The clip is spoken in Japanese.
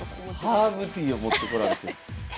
ハーブティーを持ってこられてると。